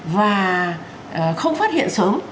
và không phát hiện sớm